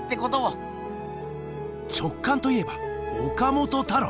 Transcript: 直感といえば岡本太郎！